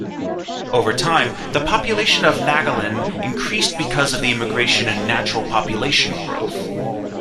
Over time, the population of Naghalin increased because of immigration and natural population growth.